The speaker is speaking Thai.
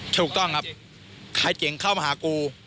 ถูกต้องครับขายเก่งเข้ามาหากู